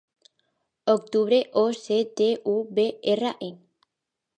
Octubre: o, ce, te, u, be, erra, e.